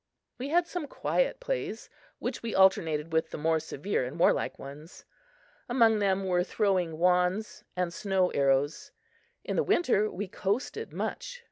We had some quiet plays which we alternated with the more severe and warlike ones. Among them were throwing wands and snow arrows. In the winter we coasted much.